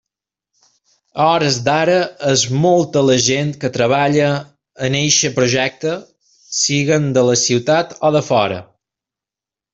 A hores d'ara és molta la gent que treballa en eixe projecte, siguen de la ciutat o de fora.